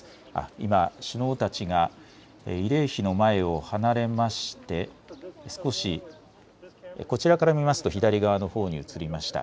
今、首脳たちが慰霊碑の前を離れましてこちらから見ますと左側のほうに移りました。